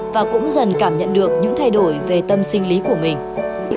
và cũng dần cảm nhận được những thay đổi về tâm sinh lý của mình